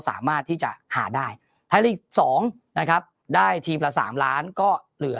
สามารถที่จะหาได้ไทยลีก๒นะครับได้ทีมละ๓ล้านก็เหลือ